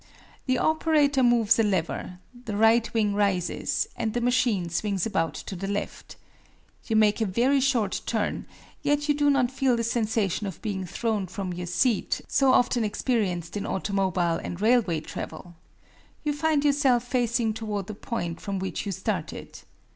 The operator moves a lever: the right wing rises, and the machine swings about to the left. You make a very short turn, yet you do not feel the sensation of being thrown from your seat, so often experienced in automobile and railway travel. You find yourself facing toward the point from which you started.